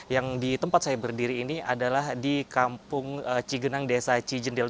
yang di tempat saya berdiri ini adalah di kampung cigenang desa cijendil